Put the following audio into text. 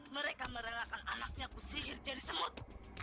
mereka merelakan anaknya ku sihir dari semut